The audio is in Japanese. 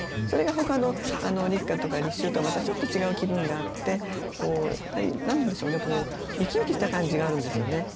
それがほかの立夏とか立秋とはまたちょっと違う気分があってこうやっぱり何でしょうね生き生きした感じがあるんですよね。